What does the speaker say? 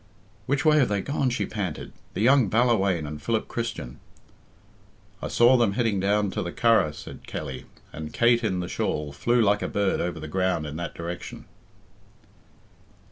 "Which way have they gone," she panted, "the young Ballawhaine and Philip Christian?" "I saw them heading down to the Curragh," said Kelly, and Kate in the shawl, flew like a bird over the ground in that direction.